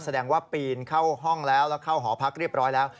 แสดงว่าปีนเข้าห้องแล้วแล้วเข้าหอพักเรียบร้อยแล้ว